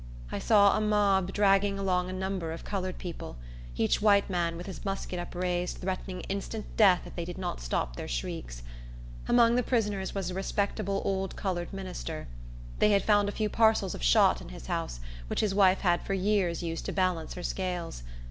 I saw a mob dragging along a number of colored people, each white man, with his musket upraised, threatening instant death if they did not stop their shrieks. Among the prisoners was a respectable old colored minister. They had found a few parcels of shot in his house, which his wife had for years used to balance her scales.